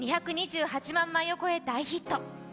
２２８万枚を超え大ヒット。